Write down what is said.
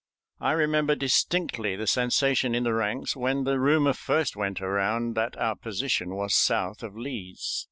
I remember distinctly the sensation in the ranks when the rumor first went around that our position was south of Lee's.